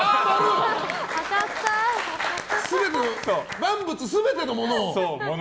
万物全てのものをね。